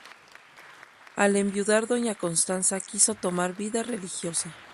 Al enviudar doña Constanza quiso tomar vida religiosa.